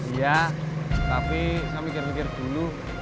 iya tapi saya mikir mikir dulu